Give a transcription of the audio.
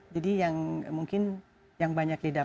jadi yang mungkin yang banyak didapatkan